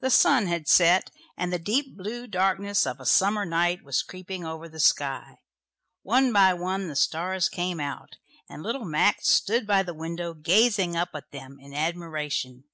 The sun had set, and the deep blue darkness of a summer night was creeping over the sky. One by one the stars came out, and little Max stood by the window gazing up at them in admiration.